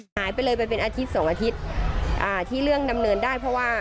หายไปเลยไปเป็นอาทิตย์สองอาทิตย์ที่เรื่องดำเนินได้เพราะว่า